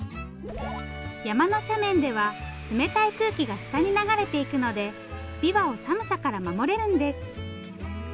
山の斜面では冷たい空気が下に流れていくのでびわを寒さから守れるんです。